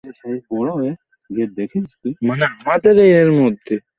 ওর হাত থেকে ছুরি কেড়ে নিলে।